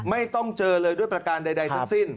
ไม่ต้องเจอเลยด้วยประการใดทั้งสิ้น